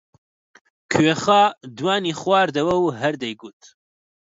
کوێخا دوانی خواردەوە و هەر دەیگوت: